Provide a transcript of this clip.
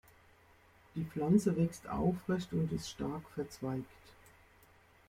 Die Pflanze wächst aufrecht und ist stark verzweigt.